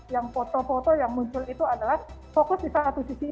yang foto foto yang muncul itu adalah fokus di satu sisi